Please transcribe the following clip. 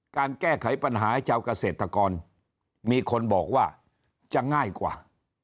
การแก้ไขปัญหาให้เจ้ากเศรษฐกรมีคนบอกว่าจะง่ายกว่า